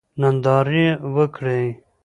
ننداره وکړئ.